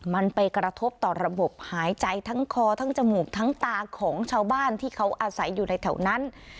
มันไปกระทบต่อระบบหายใจทั้งคอทั้งจมูกทั้งตาของชาวบ้านที่เขาอาศัยอยู่ในแถวนั้น